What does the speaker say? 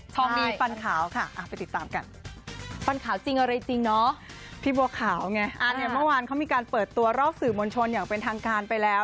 ทองดีฟันขาวค่ะไปติดตามกันค่ะ